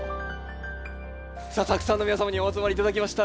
さあたくさんの皆様にお集まり頂きました。